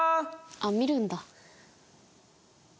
あっ見るんだ。